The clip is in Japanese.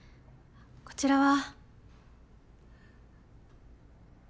こちらは。